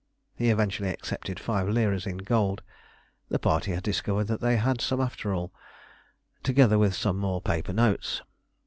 He eventually accepted five liras in gold the party had discovered that they had some after all together with some more paper notes.